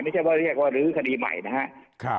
ไม่ใช่ว่ารื้อคดีใหม่นะคะ